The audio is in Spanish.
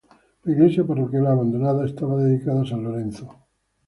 La iglesia parroquial, abandonada, estaba dedicada a San Lorenzo.